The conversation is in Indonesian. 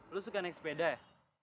lu suka naik sepeda ya